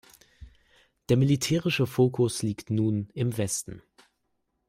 Der militärische Fokus liegt nun im Westen.